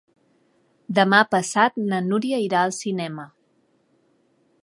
Demà passat na Núria irà al cinema.